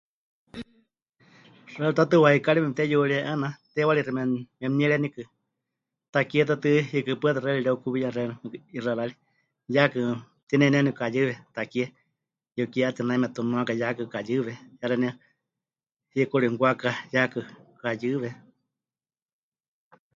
Xɨari tatɨ waikari mepɨteyuríe 'eena teiwarixi mem... memɨnierenikɨ, takie ta tɨ yɨkɨ pɨta xɨari pɨreukuwiya xeeníu 'ixɨarari, yaakɨ mɨtineineni pɨkayɨwe takie, yukie 'atinaime mɨtunuaka yaakɨ pɨkayɨwe, ya xeeníu hikuri mɨkwaká yaakɨ pɨkayɨwe.